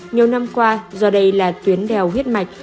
nhiều năm qua do đây là tuyến đèo huyết mạch